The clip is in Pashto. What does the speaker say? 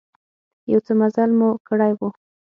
يو څه مزل مو کړى و.